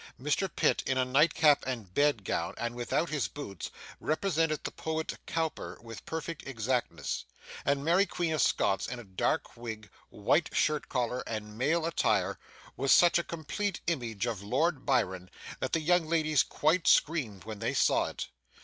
Mr Pitt in a nightcap and bedgown, and without his boots, represented the poet Cowper with perfect exactness; and Mary Queen of Scots in a dark wig, white shirt collar, and male attire, was such a complete image of Lord Byron that the young ladies quite screamed when they saw it.